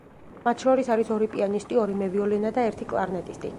მათ შორის არის ორი პიანისტი, ორი მევიოლინე და ერთი კლარნეტისტი.